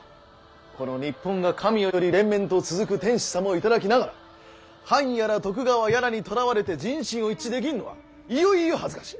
この日本が神代より連綿と続く天子様を戴きながら藩やら徳川やらにとらわれて人心を一致できんのはいよっいよ恥ずかしい。